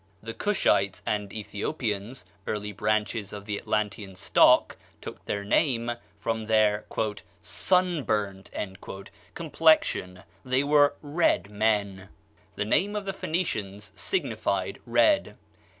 The Cushites and Ethiopians, early branches of the Atlantean stock, took their name from their "sunburnt" complexion; they were red men. The name of the Phoenicians signified red.